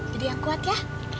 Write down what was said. jadi yang kuat ya